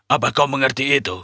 apa kau mengerti itu